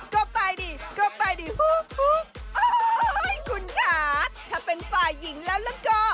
ก็ไปดิก็ไปดิฟุ๊กโอ้ยคุณค่ะถ้าเป็นฝ่ายหญิงแล้วแล้วก็